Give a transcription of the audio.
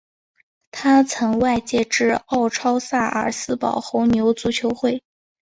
他曾外借至奥超萨尔斯堡红牛足球会。